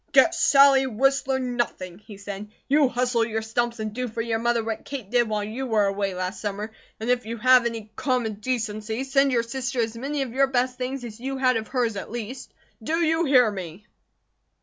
"Get Sally Whistler, nothing!" he said. "You hustle your stumps and do for your mother what Kate did while you were away last summer. And if you have any common decency send your sister as many of your best things as you had of hers, at least. Do you hear me?"